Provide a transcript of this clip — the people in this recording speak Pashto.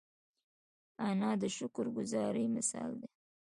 انا د شکر ګذاري مثال ده